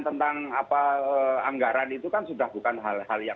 tentang anggaran itu kan sudah bukan hal hal yang